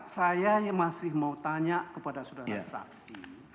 saya masih mau tanya kepada saudara saksi